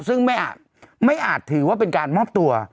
ซึ่งไม่อาจถือว่าเป็นการมอบตัว